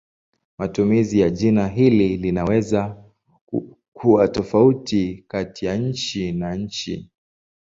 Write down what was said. Matumizi ya jina hili linaweza kuwa tofauti kati ya nchi na nchi.